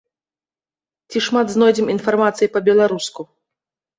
Ці шмат знойдзем інфармацыі па-беларуску?